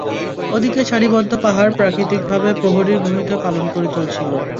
ওদিকে সারিবদ্ধ পাহাড় প্রাকৃতিকভাবে প্রহরীর ভূমিকা পালন করে চলছিল।